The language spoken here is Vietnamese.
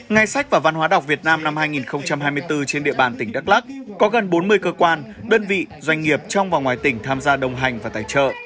ngày sách và văn hóa đọc việt nam năm hai nghìn hai mươi bốn trên địa bàn tỉnh đắk lắc có gần bốn mươi cơ quan đơn vị doanh nghiệp trong và ngoài tỉnh tham gia đồng hành và tài trợ